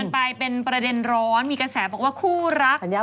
ไปเป็นประเด็นร้อนมีกระแสบอกว่าคู่รัก